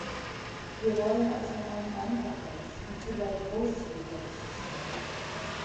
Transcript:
Wir wollen also ein einfacheres und zugleich großzügigeres System.